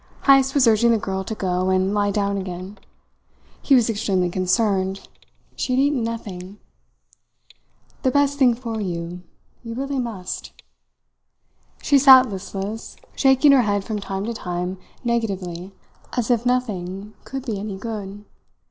Heyst was urging the girl to go and lie down again. He was extremely concerned. She had eaten nothing. "The best thing for you. You really must!" She sat listless, shaking her head from time to time negatively, as if nothing could be any good.